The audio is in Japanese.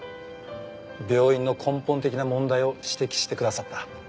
病院の根本的な問題を指摘してくださった。